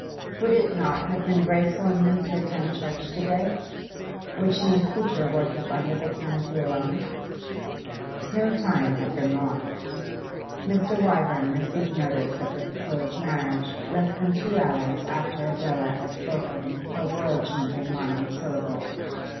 Would it not have been graceful in him to attend church to day? Would she in future worship under the canopy alone? No time had been lost. Mr. Wyvern received notice of the proposed marriage less than two hours after Adela had spoken her world changing monosyllable.